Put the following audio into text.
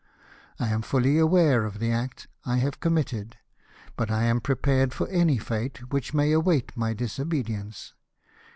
I am fully aware of the act I have committed, but I am prepared for any fate which may await my disobedience.